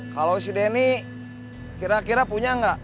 kalau si denny kira kira punya nggak